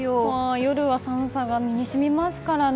夜は寒さが身に染みますからね。